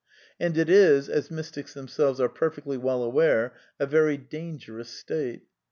And it is, as mystics themselves are per fectly well aware, a very dangerous state.